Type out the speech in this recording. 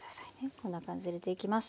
こんな感じで入れていきます